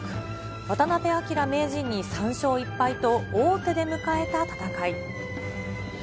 渡辺明名人に３勝１敗と、王手で迎えた戦い。